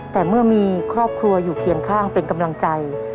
แต่เมื่อมีครอบครัวอยู่เคียงข้างเป็นกำลังใจ